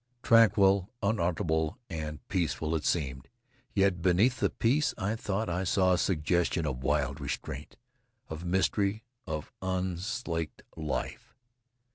Tranquil, unalterable and peaceful it seemed; yet beneath the peace I thought I saw a suggestion of wild restraint, of mystery, of unslaked life.